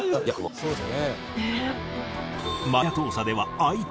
そうですね。